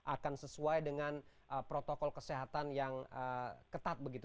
akan sesuai dengan protokol kesehatan yang diperlukan